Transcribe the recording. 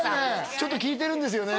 ちょっと聞いてるんですよね